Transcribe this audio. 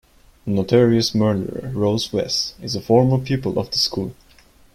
Notorious murderer, Rose West, is a former pupil of the school.